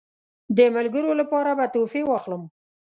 د ملګرو لپاره به تحفې واخلم.